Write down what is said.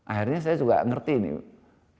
akhirnya saya juga ngerti nih